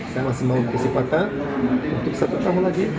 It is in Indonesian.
saya masih mau kesepakat untuk satu tahun lagi